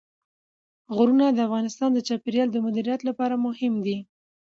غرونه د افغانستان د چاپیریال د مدیریت لپاره مهم دي.